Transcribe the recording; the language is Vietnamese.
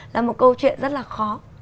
là một câu chuyện rất là khó